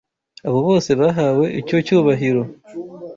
Abo bose bahawe icyo cyubahiro